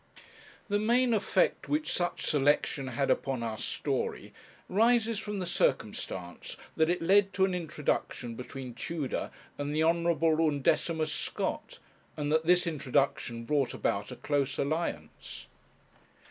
The main effect which such selection had upon our story rises from the circumstance that it led to an introduction between Tudor and the Honourable Undecimus Scott, and that this introduction brought about a close alliance.